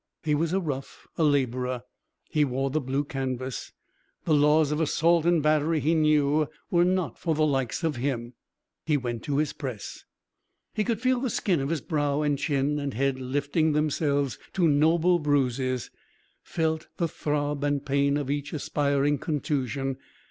He was a rough a labourer. He wore the blue canvas. The laws of assault and battery, he knew, were not for the likes of him. He went to his press. He could feel the skin of his brow and chin and head lifting themselves to noble bruises, felt the throb and pain of each aspiring contusion.